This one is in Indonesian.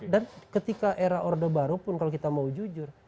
dan ketika era orde baru pun kalau kita mau jujur